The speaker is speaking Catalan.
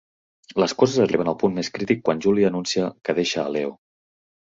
Les coses arriben al punt més crític quan Julia anuncia que deixa a Leo.